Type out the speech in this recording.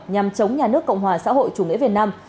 nhằm chống nhà nước cộng hòa xã hội chủ nghĩa việt nam